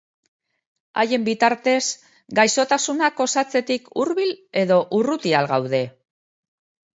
Haien bitartez gaixotasunak osatzetik hurbil edo urruti al gaude?